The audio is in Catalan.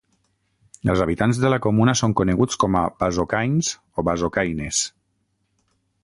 Els habitants de la comuna són coneguts com a "bazocains" o "bazocaines".